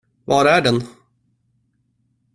Var är den?